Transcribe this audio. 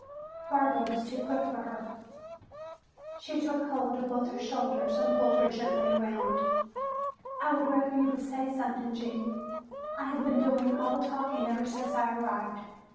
Barbara was too quick for her. She took hold of both her shoulders and pulled her gently around. "I would rather you would say something, Gene. I have been doing all the talking ever since I arrived.